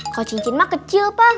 kalau cincin mah kecil pak